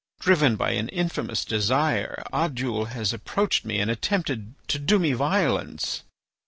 Driven by an infamous desire Oddoul has approached me and attempted to do me violence."